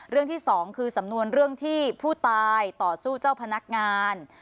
ที่สองคือสำนวนเรื่องที่ผู้ตายต่อสู้เจ้าพนักงาน